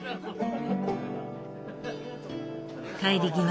帰り際